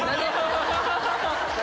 ハハハハ！